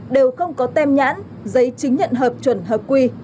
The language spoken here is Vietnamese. đều không có tem nhãn giấy chứng nhận hợp chuẩn hợp quy